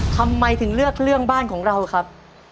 ทำไมถึงเลือกเรื่องบ้านของเราครับ